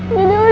jadi udah ikut